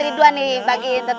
rumah malkis coklat